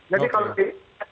jadi kalau di